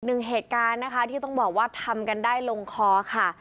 หนึ่งเหตุการณ์นะคะที่ต้องบอกว่าทำกันได้ลงคอค่ะ